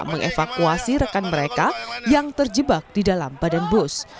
mengevakuasi rekan mereka yang terjebak di dalam badan bus